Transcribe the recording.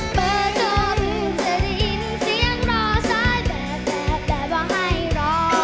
เปิดหัวพรุ่งเธอไปยินเสียงรอซ้ายแบบแบบแบบว่าให้รอ